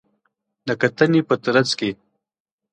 د کتنې په ترڅ کې